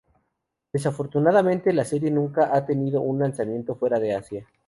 Desafortunadamente, la serie nunca ha tenido un lanzamiento fuera de Asia.